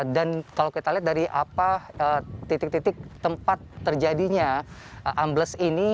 dan kalau kita lihat dari apa titik titik tempat terjadinya ambles ini